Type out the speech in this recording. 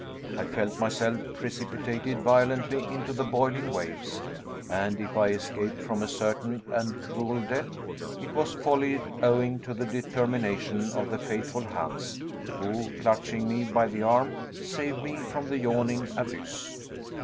I felt myself precipitated violently into the boiling waves, and if I escaped from a certain and cruel death, it was wholly owing to the determination of the faithful Hans, who, clutching me by the arm, saved me from the yawning abyss.